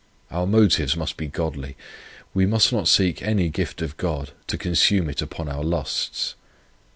Our motives must be godly: we must not seek any gift of God to consume it upon our lusts.